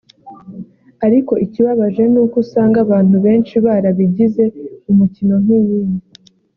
ariko ikibabaje nuko usanga abantu benshi barabigize umukino nk’iyindi